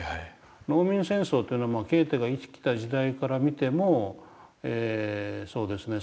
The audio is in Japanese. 農民戦争っていうのはケーテが生きてた時代から見てもそうですね３００年。